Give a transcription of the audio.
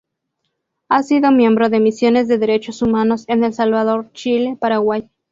Ha sido miembro de misiones de Derechos humanos en El Salvador, Chile, Paraguay.